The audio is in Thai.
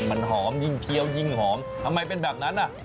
มันหอมยิ่งเคี้ยวยิ่งหอมทำไมเป็นแบบนั้นอ่ะ